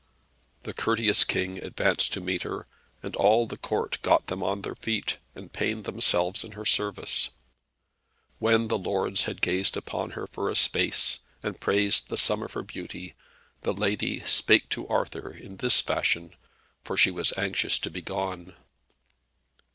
The courteous King advanced to meet her, and all the Court got them on their feet, and pained themselves in her service. When the lords had gazed upon her for a space, and praised the sum of her beauty, the lady spake to Arthur in this fashion, for she was anxious to begone.